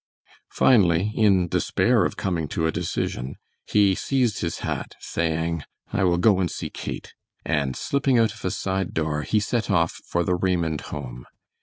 Finally, in despair of coming to a decision, he seized his hat, saying, "I will go and see Kate," and slipping out of a side door, he set off for the Raymond home.